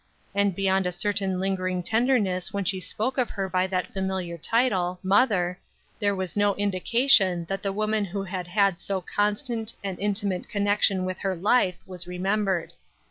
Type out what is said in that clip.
And beyond a certain lingering tenderness when she spoke of her by that familiar title, "mother," there was no indication that the woman who had had so constant and intimate connection with her life was remembered.